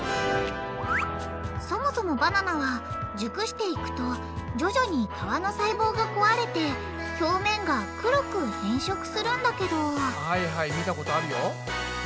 そもそもバナナは熟していくと徐々に皮の細胞が壊れて表面が黒く変色するんだけどはいはい見たことあるよ。